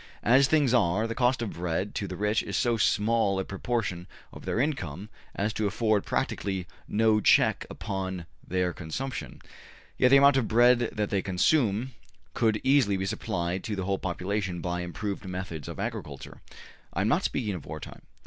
As things are, the cost of bread to the rich is so small a proportion of their income as to afford practically no check upon their consumption; yet the amount of bread that they consume could easily be supplied to the whole population by improved methods of agriculture (I am not speaking of war time).